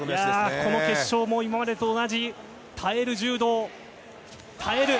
この決勝も今までと同じ、耐える柔道、耐える。